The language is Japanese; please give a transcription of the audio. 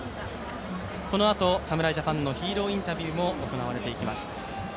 このあと、侍ジャパンのヒーローインタビューも行われていきます。